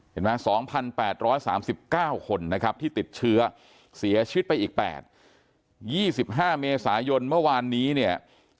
๒๘๓๙คนนะครับที่ติดเชื้อเสียชีวิตไปอีก๘๒๕เมษายนเมื่อวานนี้เนี่ย